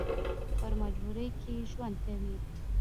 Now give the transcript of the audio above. په مجبورۍ کې ژوند کوي.